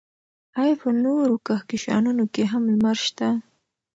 ایا په نورو کهکشانونو کې هم لمر شته؟